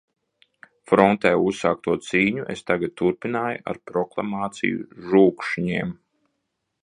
Frontē uzsākto cīņu es tagad turpināju ar proklamāciju žūkšņiem.